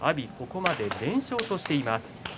ここまで連勝としています。